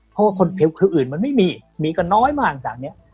เพราะว่าคนผิวคืออื่นมันไม่มีมีก็น้อยมากต่างเนี่ย